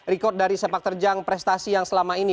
record dari sepak terjang prestasi yang selama ini